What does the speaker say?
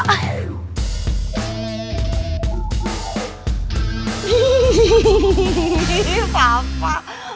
jauh banget sih sama mama